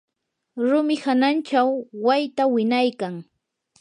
rumi hananchaw wayta winaykan.